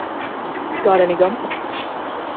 Got Any Gum?